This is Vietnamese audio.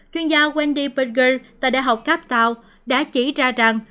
chuyên gia wendy berger tại đại học cape town đã chỉ ra rằng